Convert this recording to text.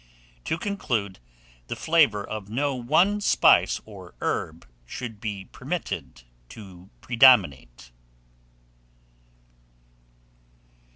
To conclude, the flavour of no one spice or herb should be permitted to predominate.